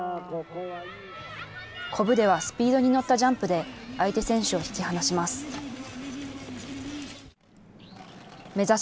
こぶではスピードに乗ったジャンプで相手選手を引き離します。